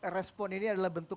respon ini adalah bentuk